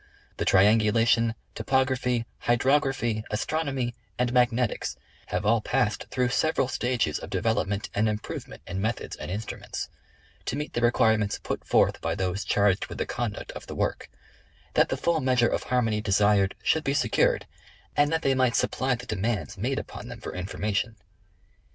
The Triangulation, Topog raphy, Hydrography, Astronomy and Magnetics have all passed through several stages of development and improvement in methods and instruments, to meet the requirements put forth by those charged with the conduct of the work, that the fiill meas ure of harmony desired should be secured and that they might supply the demands made upon them for information.